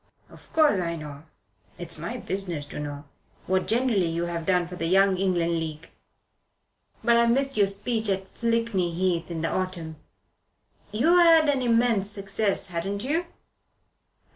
Of course I know it's my business to know what generally you have done for the Young England League, but I missed your speech at Flickney Heath in the autumn. You had an immense success, hadn't you?"